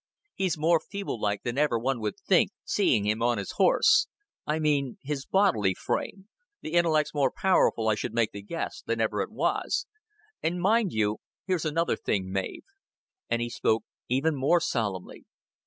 He's more feeble like than ever one would think, seeing him on his horse. I mean, his bodily frame. The int'lect's more powerful, I should make the guess, than ever it was.... And mind you, here's another thing, Mav;" and he spoke even more solemnly.